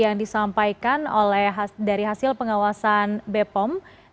ya baru saja kita menyaksikan jalannya konferensi pers informasi dan informasi